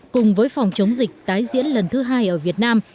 cùng với phòng chống dịch tái diễn lần thứ hai ở việt nam